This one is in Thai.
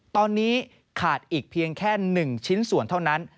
ตอนนี้ขาดอีกเพียงแค่๑ชิ้นส่วนเท่านั้น